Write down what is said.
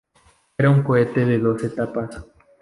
Era un cohete de dos etapas.